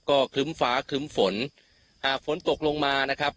ก็ครึ้มฟ้าครึ้มฝนอ่าฝนตกลงมานะครับ